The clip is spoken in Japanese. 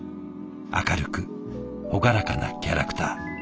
明るく朗らかなキャラクター。